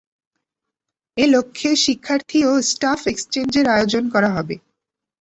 এ লক্ষ্যে শিক্ষার্থী ও স্টাফ এক্সচেঞ্জের আয়োজন করা হবে।